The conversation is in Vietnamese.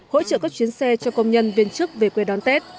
hỗ trợ các chuyến xe cho công nhân viên chức về quê đón tết